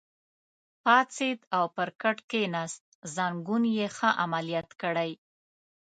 پاڅېد او پر کټ کېناست، زنګون یې ښه عملیات کړی.